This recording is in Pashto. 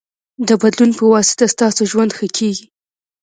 د بدلون پواسطه ستاسو ژوند ښه کېږي.